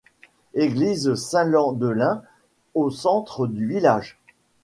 Eglise Saint-Landelin au centre du village.